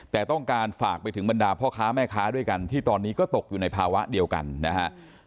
แต่ต้องการฝากไปถึงบรรดาพ่อค้าแม่ค้าด้วยกันที่ตอนนี้ก็ตกอยู่ในภาวะเดียวกันนะฮะ